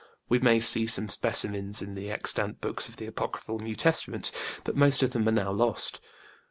We may see some specimens in the extant books of the apocryphal New Testament, but most of them are now lost.